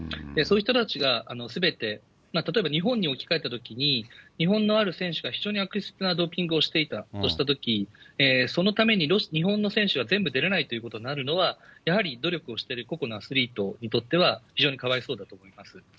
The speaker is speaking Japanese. そういう人たちが、すべて、例えば日本に置き換えたときに、日本のある選手が非常に悪質なドーピングをしていたとしたとき、そのために日本の選手が全部出れないということになるのは、やはり努力をしている個々のアスリートにとっては、非常にかわいそうだと思います。